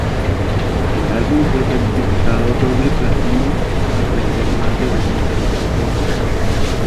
El álbum fue certificado doble platino tras vender más de dos millones de copias.